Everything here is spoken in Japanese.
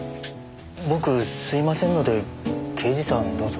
僕吸いませんので刑事さんどうぞ。